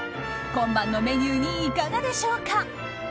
今晩のメニューにいかがでしょうか。